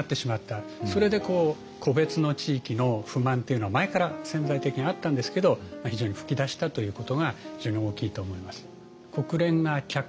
それで個別の地域の不満っていうのは前から潜在的にあったんですけど非常に噴き出したということが非常に大きいと思います。